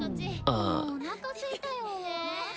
もうおなかすいたよ。